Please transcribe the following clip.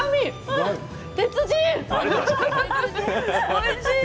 おいしい！